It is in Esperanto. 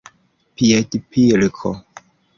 piedpilko